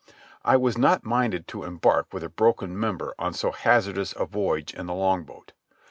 I was not minded to embark with a broken member on so hazardous a voyage in the longboat.